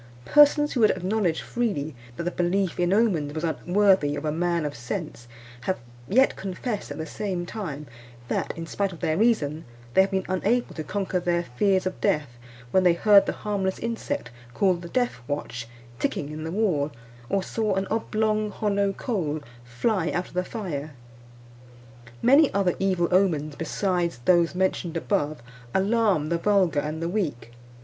Persons who would acknowledge freely that the belief in omens was unworthy of a man of sense, have yet confessed at the same time that, in spite of their reason, they have been unable to conquer their fears of death when they heard the harmless insect called the death watch ticking in the wall, or saw an oblong hollow coal fly out of the fire. Many other evil omens besides those mentioned above alarm the vulgar and the weak.